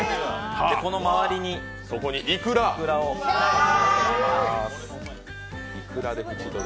この周りに、いくらをのせていきます。